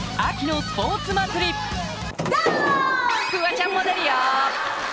フワちゃんも出るよ